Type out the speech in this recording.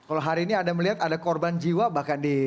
kalau hari ini anda melihat ada korban jiwa bahkan di